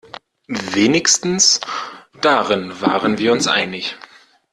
Wenigstens darin waren wir uns einig.